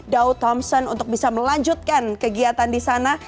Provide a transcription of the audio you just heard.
jauh samson untuk bisa melanjutkan kegiatan di sana